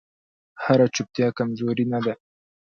هره چوپتیا کمزوري نه ده